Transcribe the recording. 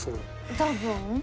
多分。